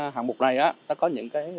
hạng mục này nó có những cái